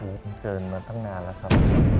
เจอมาตั้งนานแล้วครับ